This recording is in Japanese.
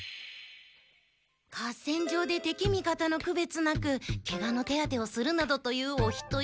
合戦場でてき味方のくべつなくケガの手当てをするなどというお人よしは。